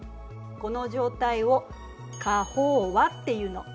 この状態を過飽和っていうの。